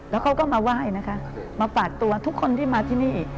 แล้วเขาก็มาไหว้นะคะมาปาดตัวทุกคนที่มาที่นี่